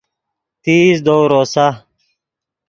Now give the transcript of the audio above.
تیز دؤ روسا